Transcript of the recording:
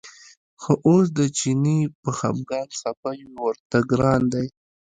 خو اوس د چیني په خپګان خپه یو ورته ګران دی.